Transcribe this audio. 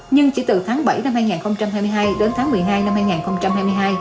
nhưng chỉ từ tháng bảy năm hai nghìn hai mươi hai đến tháng một mươi hai năm hai nghìn hai mươi hai